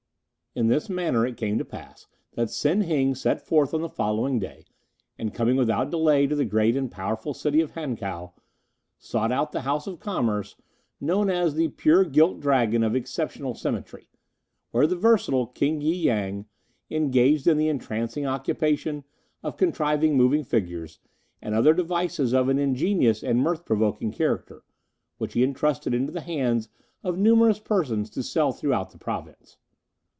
"In this manner it came to pass that Sen Heng set forth on the following day, and coming without delay to the great and powerful city of Hankow, sought out the house of commerce known as 'The Pure Gilt Dragon of Exceptional Symmetry,' where the versatile King y Yang engaged in the entrancing occupation of contriving moving figures, and other devices of an ingenious and mirth provoking character, which he entrusted into the hands of numerous persons to sell throughout the Province.